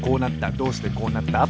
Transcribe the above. どうしてこうなった？